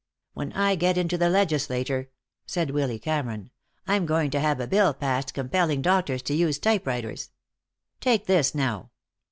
"When I get into the Legislature," said Willy Cameron, "I'm going to have a bill passed compelling doctors to use typewriters. Take this now.